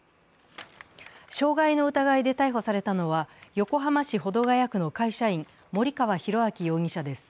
傷害の疑いで逮捕されたのは、横浜市保土ケ谷区の会社員、森川浩昭容疑者です。